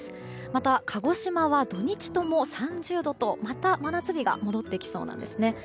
また、鹿児島は土日とも３０度と、また真夏日が戻ってきそうなんですね。